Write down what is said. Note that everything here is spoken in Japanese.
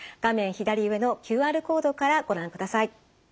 左上のＱＲコードからご覧ください。